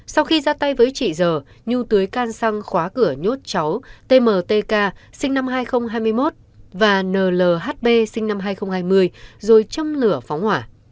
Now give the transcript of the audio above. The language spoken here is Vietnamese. sau khi ra tay với chị giờ nhu tưới can xăng khóa cửa nhốt cháu tmtk sinh năm hai nghìn hai mươi một và nlhb sinh năm hai nghìn hai mươi rồi châm lửa phóng hỏa